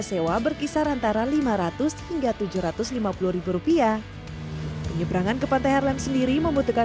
sewa berkisar antara lima ratus hingga tujuh ratus lima puluh rupiah penyebrangan ke pantai harlem sendiri membutuhkan